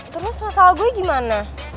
terus masalah gue gimana